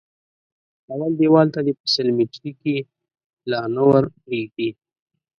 اول دېوال ته دې په سل ميتري کې لا نه ور پرېږدي.